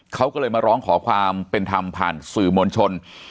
เขาก็เลยมาร้องขอความเป็นธรรมผ่านสื่อมวลชน